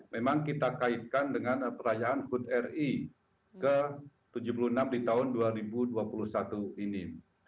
memang kita kaitkan dengan perayaan hut ri ke tujuh puluh enam di tahun dua ribu dua puluh satu ini